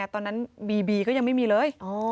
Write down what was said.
ตอนนั้นบีบีก็ยังไม่มีเลย